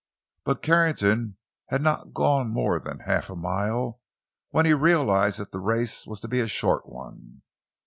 But Carrington had not gone more than half a mile when he realized that the race was to be a short one.